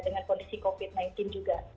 dengan kondisi covid sembilan belas juga